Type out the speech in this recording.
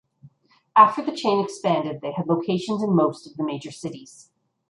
After the chain expanded they had locations in most of the major cities.